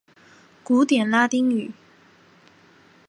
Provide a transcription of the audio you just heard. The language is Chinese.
古典拉丁语。